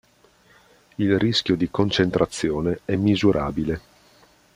Il rischio di concentrazione è misurabile.